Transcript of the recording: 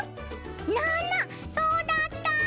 ななっそうだった！